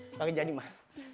ini yang jadi mas